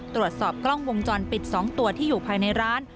ตรวจสอบกล้องวงจรปิด๒ตัวที่อยู่ภายในร้าน